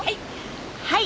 はい。